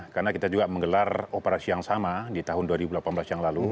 karena kita juga menggelar operasi yang sama di tahun dua ribu delapan belas yang lalu